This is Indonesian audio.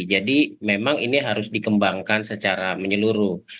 jadi memang ini harus dikembangkan secara menyeluruh